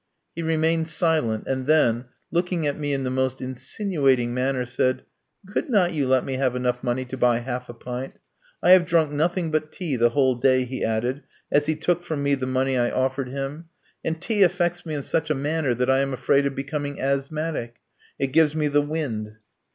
He remained silent, and then, looking at me in the most insinuating manner, said: "Could not you let me have enough money to buy half a pint? I have drunk nothing but tea the whole day," he added, as he took from me the money I offered him; "and tea affects me in such a manner that I am afraid of becoming asthmatic. It gives me the wind."